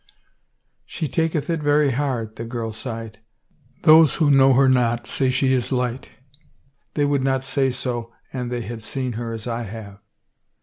" She taketh it very hard," the girl sighed. " Those who know her not say she is light — they would not say so an they had seen her as I have."